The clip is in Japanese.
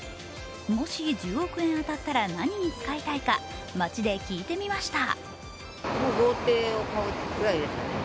もし１０億円当たったら何に使いたいか街で聞いてみました。